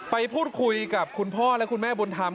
ไปพูดคุยกับคุณพ่อและคุณแม่บุญธรรม